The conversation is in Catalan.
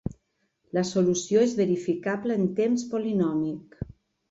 La solució és verificable en temps polinòmic.